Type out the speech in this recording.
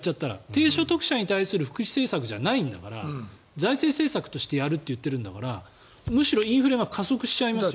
低所得者に対する福祉政策じゃないんだから財政政策としてやるって言ってるんだからむしろインフレが加速しちゃいますよ。